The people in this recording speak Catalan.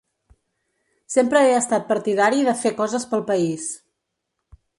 Sempre he estat partidari de fer coses pel país.